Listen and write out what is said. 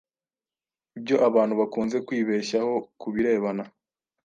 Ibyo abantu bakunze kwibeshyaho ku birebana